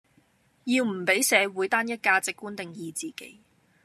要唔比社會單一價值觀定義自己